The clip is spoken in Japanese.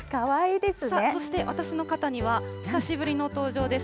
そして私の肩には、久しぶりの登場です。